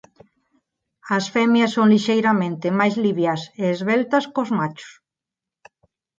As femias son lixeiramente máis liviás e esveltas cós machos.